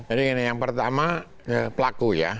jadi ini yang pertama pelaku ya